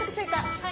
はい！